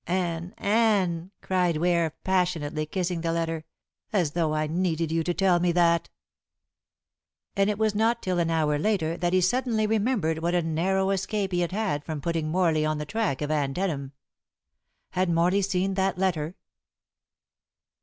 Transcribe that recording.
"Anne, Anne!" cried Ware, passionately kissing the letter, "as though I needed you to tell me that!" And it was not till an hour later that he suddenly remembered what a narrow escape he had had from putting Morley on the track of Anne Denham. Had Morley seen that letter